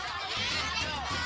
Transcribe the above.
satu dua tiga